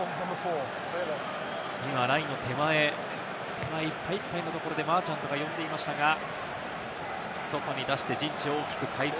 今ラインの手前、いっぱいいっぱいのところでマーチャントが呼んでいましたが、外に出して陣地を大きく回復。